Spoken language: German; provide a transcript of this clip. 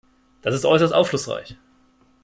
Das ist äußerst aufschlussreich.